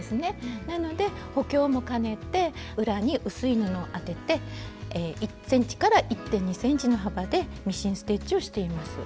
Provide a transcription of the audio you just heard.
なので補強もかねて裏に薄い布を当てて１ｃｍ１．２ｃｍの幅でミシンステッチをしています。